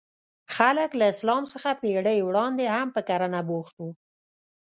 خلک له اسلام څخه پېړۍ وړاندې هم په کرنه بوخت وو.